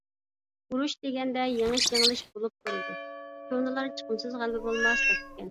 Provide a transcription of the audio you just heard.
ئۇرۇش دېگەندە يېڭىش - يېڭىلىش بولۇپ تۇرىدۇ، كونىلار «چىقىمسىز غەلىبە بولماس» دەپتىكەن.